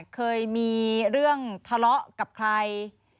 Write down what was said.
เคยมีเรื่องทะเลาะกับใคร